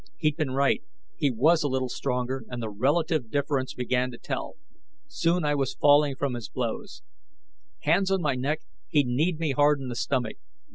He'd been right he was a little stronger, and the relative difference began to tell. Soon I was falling from his blows. Hands on my neck, he kneed me hard in the stomach.